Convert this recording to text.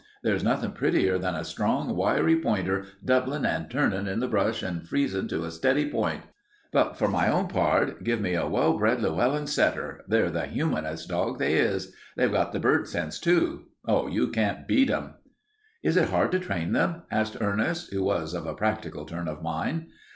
There's nothing prettier than a strong, wiry pointer doublin' and turnin' in the brush and freezin' to a steady point. But for my own part, give me a well bred Llewellyn setter; they're the humanest dog they is. They've got the bird sense, too. Oh, you can't beat 'em." "Is it hard to train them?" asked Ernest, who was of a practical turn of mind.